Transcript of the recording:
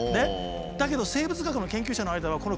だけど生物学の研究者の間ではへえ！